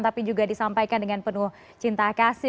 tapi juga disampaikan dengan penuh cinta kasih